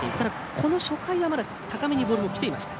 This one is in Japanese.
この初回はまだ高めにボールはきていました。